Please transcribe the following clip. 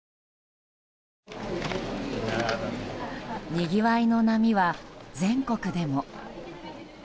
にぎわいの波は全国でも。